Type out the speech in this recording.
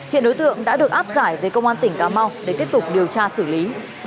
hiện đối tượng đã được áp giải về công an tỉnh cà mau để tiếp tục điều tra xử lý